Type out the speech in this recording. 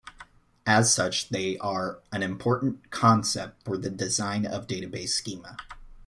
As such they are an important concept for the design of database schema.